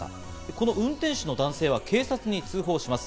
この運転手の男性は警察に通報します。